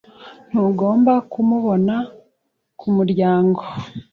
Ntugomba kumubona kumuryango.